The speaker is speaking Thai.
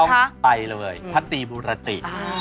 ต้องไปเลยพระตีมุรติ